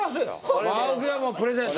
青木はプレゼント。